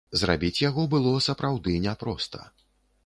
Зрабіць яго было сапраўды няпроста.